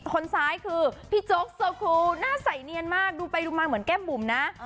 คนซ้ายคือพี่โจ๊กโซคูหน้าใส่เนียนมากดูไปดูมาเหมือนแก้มบุ๋มนะ